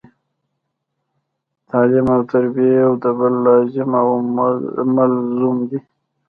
تعلیم او تربیه یو د بل لازم او ملزوم دي